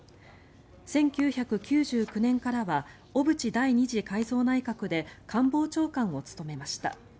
１９９９年からは小渕第２次改造内閣で官房長官を務めました。